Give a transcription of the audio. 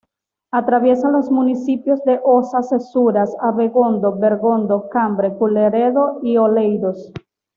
Atraviesa los municipios de Oza-Cesuras, Abegondo, Bergondo, Cambre, Culleredo y Oleiros.